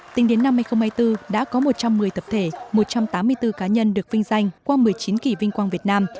tính đến năm hai nghìn hai mươi bốn đã có một trăm một mươi tập thể một trăm tám mươi bốn cá nhân được vinh danh qua một mươi chín kỷ vinh quang việt nam